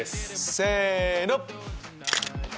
せの。